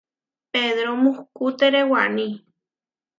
Pedro mukuhtére waní.